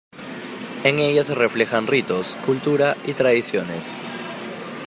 En ella se reflejan ritos, cultura y tradiciones.